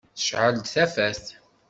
Tecεel-d tafat.